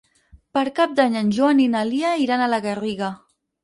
Per Cap d'Any en Joan i na Lia iran a la Garriga.